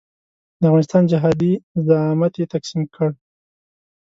د افغانستان جهادي زعامت یې تقسیم کړ.